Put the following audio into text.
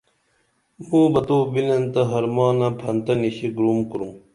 موں بہ تو بِنن تہ حرمانہ پھنتہ نشی گُرُم کُرُم